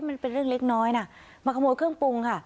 มันเป็นเรื่องเล็กน้อยนะมาขโมยเครื่องปรุงค่ะ